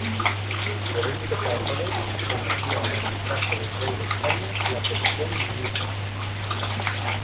Por este tratado se sometía al arbitraje del Rey de España la cuestión limítrofe.